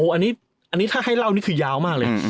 อันนี้ถ้าให้เล่านี่คือยาวมากเลย